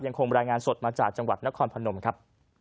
คงรายงานสดมาจากจังหวัดนครพนมครับ